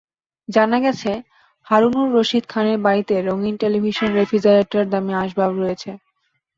জানা গেছে, হারুনুর রশিদ খানের বাড়িতে রঙিন টেলিভিশন, রেফ্রিজারেটর, দামি আসবাব রয়েছে।